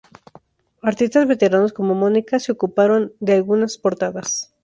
Artistas veteranos como "Mónica" se ocuparon de algunas portadas.